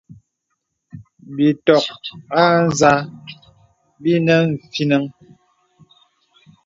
Bìtɔ̀k â zā bìnə mvinəŋ.